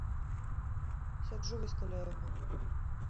Сяджу вось каля яго.